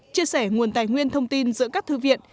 chia sẻ nguồn tài nguyên thông tin giữa các thư viện